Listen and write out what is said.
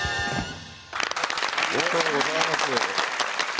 ありがとうございます。